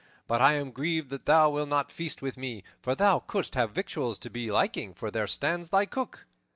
But I am grieved that thou wilt not feast with me, for thou couldst have victuals to thy liking, for there stands thy Cook."